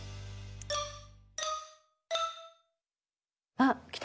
あっきた。